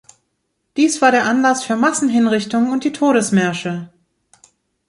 Dies war der Anlass für Massenhinrichtungen und die Todesmärsche.